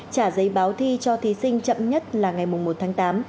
trả giấy báo thi cho thí sinh chậm nhất là ngày một mươi năm tháng bảy